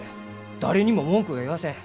誰にも文句は言わせん。